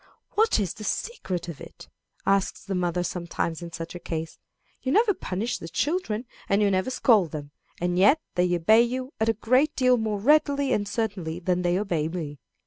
"What is the secret of it?" asks the mother sometimes in such a case. "You never punish the children, and you never scold them, and yet they obey you a great deal more readily and certainly than they do me."